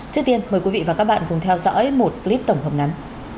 trước tiên mời quý vị và các bạn cùng theo dõi một clip tổng hợp ngắn